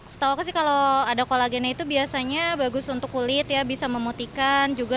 setahu aku sih kalau ada kolagennya itu biasanya bagus untuk kulit ya bisa memutihkan juga